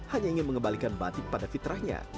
hanya ingin mengembalikan batik pada fitrahnya